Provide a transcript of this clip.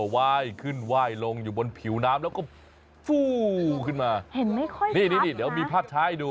เห็นไม่ค่อยพร้อมนะนี่เดี๋ยวมีภาพช้าให้ดู